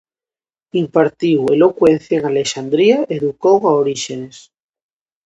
Impartiu elocuencia en Alexandría e educou a Oríxenes.